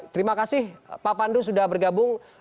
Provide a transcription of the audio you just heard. terima kasih pak pandu sudah bergabung